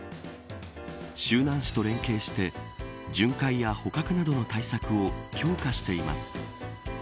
周南市と連携して巡回や捕獲などの対策を強化しています。